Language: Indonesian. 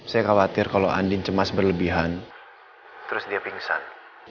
saya khawatir kalau andin cemas berlebihan terus dia pingsan